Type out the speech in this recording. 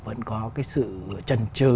vẫn có cái sự trần trừ